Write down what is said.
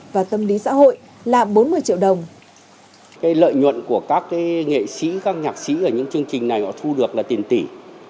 và tâm lý xã hội là bốn mươi triệu đồng